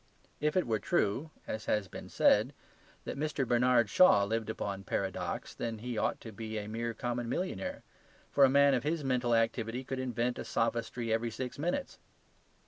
If it were true (as has been said) that Mr. Bernard Shaw lived upon paradox, then he ought to be a mere common millionaire; for a man of his mental activity could invent a sophistry every six minutes.